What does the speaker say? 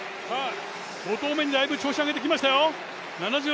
５投目にだいぶ調子を上げてきましたよ。